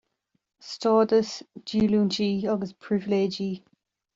Stádas, Díolúintí agus Pribhléidí.